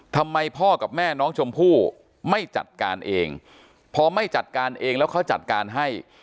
ทำไมพ่อกับแม่น้องชมพู่ไม่จัดการเองพอไม่จัดการเองแล้วเขาจัดการให้